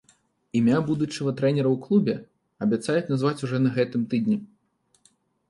Імя будучага трэнера ў клубе абяцаюць назваць ужо на гэтым тыдні.